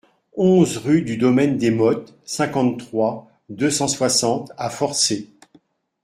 onze rue du Domaine des Mottes, cinquante-trois, deux cent soixante à Forcé